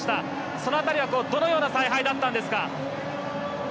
その辺りはどのような采配だったんですか？